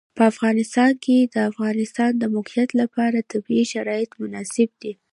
په افغانستان کې د د افغانستان د موقعیت لپاره طبیعي شرایط مناسب دي.